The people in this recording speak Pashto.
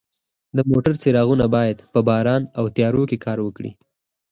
د موټرو څراغونه باید د باران او تیارو کې کار وکړي.